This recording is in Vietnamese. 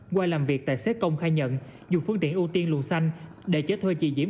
qua làm việc tài xế công khai nhận dùng phương tiện ưu tiên luồng xanh để chở thuê chị diễm